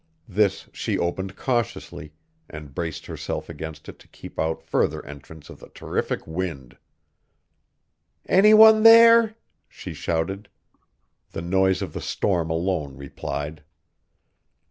This she opened cautiously, and braced herself against it to keep out further entrance of the terrific wind. "Any one there?" she shouted. The noise of the storm alone replied.